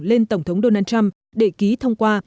lên tổng thống donald trump để ký thông qua